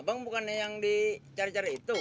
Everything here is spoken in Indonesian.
abang bukannya yang dicari cari itu